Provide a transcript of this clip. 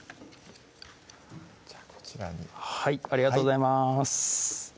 じゃあこちらにありがとうございます